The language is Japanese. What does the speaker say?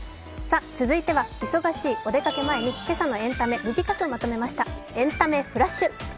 続いては、忙しいお出かけ前に今朝のエンタメ、短くまとめました。